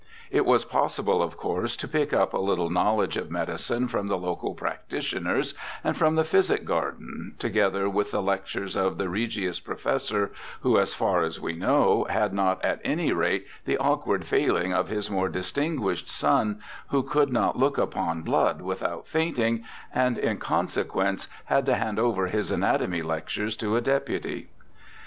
It was possible, of course, to pick up a little knowledge of medicine from the local practitioners and from the Ph3'sic Garden, together with the lectures of the Regius Professor, who, as far as we know, had not at any rate the awkward failing of his more distinguished son, who could not look upon blood without fainting, and in consequence had to hand over his anatomy lectures to a deputy.